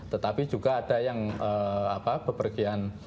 tetapi juga ada yang bepergian